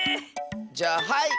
じゃあはい！